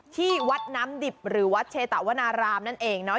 ที่วัดน้ำดิบหรือวัดเชตะวนารามนั่นเองเนาะ